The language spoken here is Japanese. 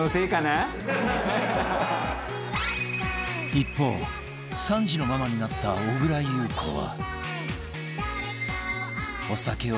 一方３児のママになった小倉優子は